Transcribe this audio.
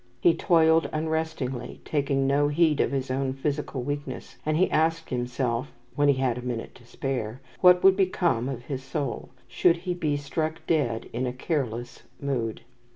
He toiled unrestingly, taking no heed of his own physical weakness, and he asked himself (when he had a minute to spare) what would become of his soul, should he be struck dead in a "careless mood."